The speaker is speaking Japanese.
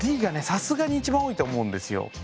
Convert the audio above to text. さすがに一番多いと思うんですよ。